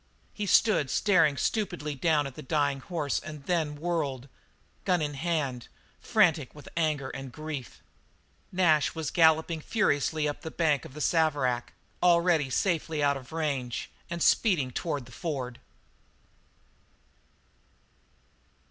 He stood staring stupidly down at the dying horse and then whirled, gun in hand, frantic with anger and grief. Nash was galloping furiously up the far bank of the Saverack, already safely out of range, and speeding toward the ford.